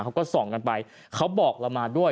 เขาก็ส่องกันไปเขาบอกเรามาด้วย